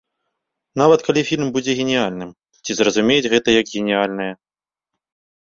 Нават калі фільм будзе геніяльным, ці зразумеюць гэта як геніяльнае.